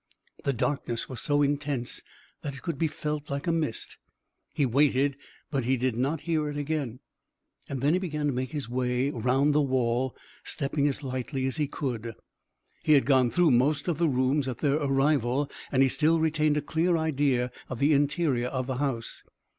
The darkness was so intense that it could be felt like a mist. He waited but he did not hear it again, and then he began to make his way around the wall, stepping as lightly as he could. He had gone through most of the rooms at their arrival and he still retained a clear idea of the interior of the house.